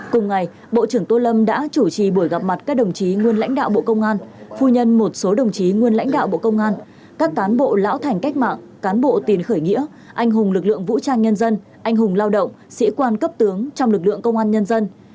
cùng ngày bộ trưởng tô lâm đã chủ trì buổi gặp mặt các đồng chí nguyên lãnh đạo bộ công an phu nhân một số đồng chí nguyên lãnh đạo bộ công an các cán bộ lão thành cách mạng cán bộ tiền khởi nghĩa anh hùng lực lượng vũ trang nhân dân anh hùng lao động sĩ quan cấp tướng trong lực lượng công an nhân dân